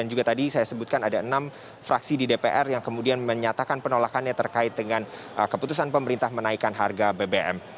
juga tadi saya sebutkan ada enam fraksi di dpr yang kemudian menyatakan penolakannya terkait dengan keputusan pemerintah menaikkan harga bbm